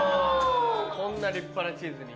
こんな立派なチーズに。